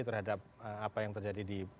terhadap apa yang terjadi di